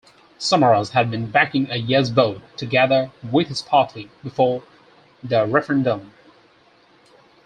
Samaras had been backing a "Yes" vote, together with his party, before the referendum.